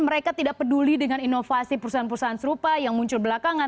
mereka tidak peduli dengan inovasi perusahaan perusahaan serupa yang muncul belakangan